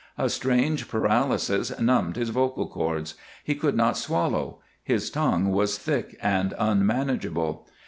A strange paralysis numbed his vocal cords; he could not swallow; his tongue was thick and unmanageable.